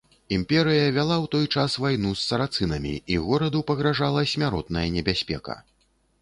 Імперыя вяла ў той час вайну з сарацынамі, і гораду пагражала смяротная небяспека.